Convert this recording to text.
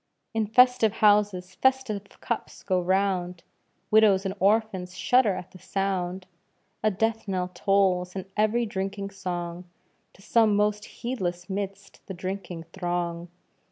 "In festive houses festive cups go round!" Widows and orphans shudder at the sound. A death knell tolls in every drinking song, To some most heedless 'midst the drinking throng.